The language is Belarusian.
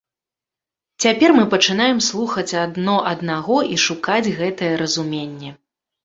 Цяпер мы пачынаем слухаць адно аднаго і шукаць гэтае разуменне.